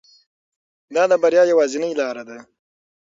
دا د بریا یوازینۍ لاره ده.